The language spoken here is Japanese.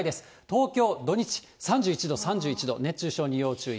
東京、土日３１度、３１度、熱中症に要注意。